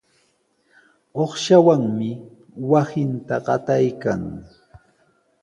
Uqshawanmi wasinta qataykan.